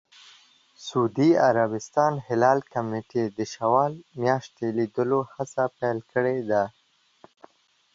د سعودي عربستان هلال کمېټې د شوال میاشتې لیدلو هڅې پیل کړې دي.